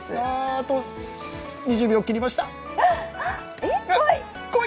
あと２０秒切りましたこい！